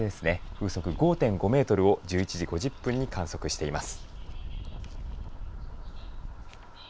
風速５．５メートルを１１時５０分に観測しています。